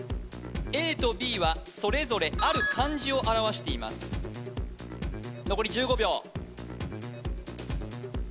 ＡとＢはそれぞれある漢字を表しています残り１０秒